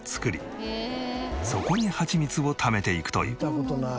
そこにハチミツをためていくという。